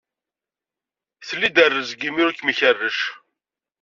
Tlid rezg imi ur kem-ikerrec.